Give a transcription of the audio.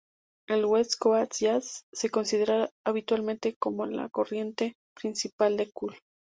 El "West Coast jazz" se considera habitualmente como la corriente principal del "Cool".